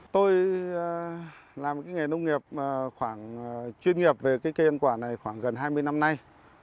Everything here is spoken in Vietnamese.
tôi làm cái nghề nông nghiệp khoảng chuyên nghiệp về cái cây ăn quả này khoảng gần hai mươi năm nay